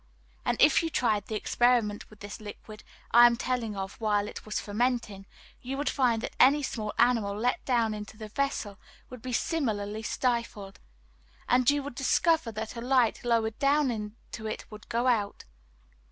And if you tried the experiment with this liquid I am telling of while it was fermenting, you would find that any small animal let down into the vessel would be similarly stifled; and you would discover that a light lowered down into it would go out.